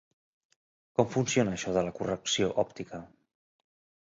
Com funciona això de la correcció òptica?